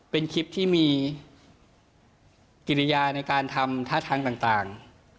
เป็นคลิปที่มีกิริยาในการทำท่าทางต่าง